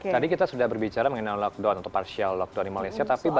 tadi kita sudah berbicara mengenai lockdown atau partial lockdown di malaysia